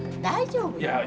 大丈夫よ。